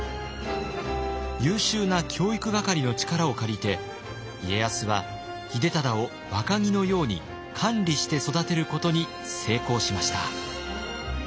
優秀な教育係の力を借りて家康は秀忠を若木のように管理して育てることに成功しました。